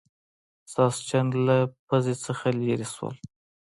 ساسچن له پوزې نه لرې شول.